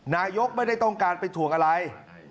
นายกไม่ได้ต้องการไปถ่วงอะไร